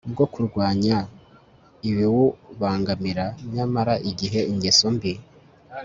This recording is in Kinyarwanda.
bwo kurwanya ibiwubangamira nyamara igihe ingeso mbi